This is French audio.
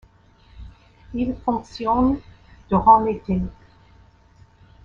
Ils fonctionnent durant l'été.